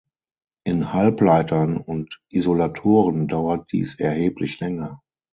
In Halbleitern und Isolatoren dauert dies erheblich länger.